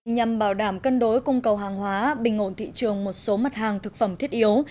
nhằm bảo đảm cân đối cung cầu hàng hóa bình ngồn thị trường một số mặt hàng thực phẩm thiết yếu